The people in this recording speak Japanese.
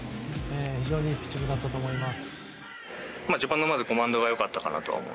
非常にいいピッチングだったと思います。